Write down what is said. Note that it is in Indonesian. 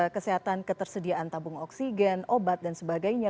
kesehatan ketersediaan tabung oksigen obat dan sebagainya